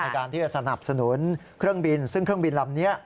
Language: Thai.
การที่จะสนับสนุนเครื่องบินซึ่งเครื่องบินลำนี้